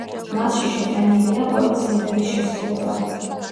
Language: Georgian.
მასში შეტანილია ყველა სიმღერის შესრულება.